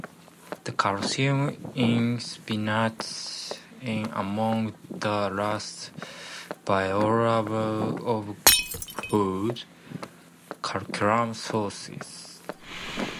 The calcium in spinach is among the least bioavailable of food calcium sources.